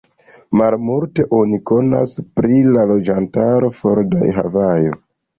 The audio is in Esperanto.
Malmulte oni konas pri la loĝantaroj for de Havajo.